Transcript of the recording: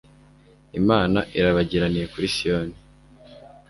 Imana irabagiraniye kuri Siyoni